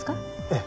ええ。